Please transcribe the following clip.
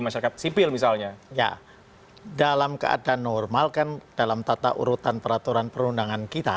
masyarakat sipil misalnya ya dalam keadaan normal kan dalam tata urutan peraturan perundangan kita